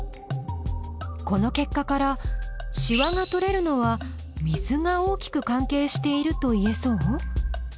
この結果からしわが取れるのは水が大きく関係しているといえそう？